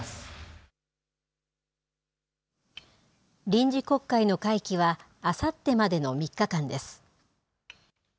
臨時国会の会期は、あさってまでの３日間です。